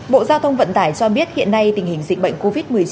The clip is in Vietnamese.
bộ giao thông vận tải cho biết hiện nay tình hình dịch bệnh covid một mươi chín